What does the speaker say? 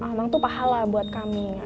emang tuh pahala buat kami